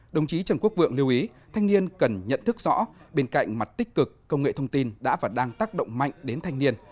đồng chí trần quốc vượng lưu ý thanh niên cần nhận thức rõ bên cạnh mặt tích cực công nghệ thông tin đã và đang tác động mạnh đến thanh niên